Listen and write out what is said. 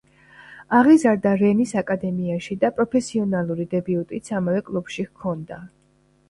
აღიზარდა „რენის“ აკადემიაში და პროფესიონალური დებიუტიც ამავე კლუბში ჰქონდა.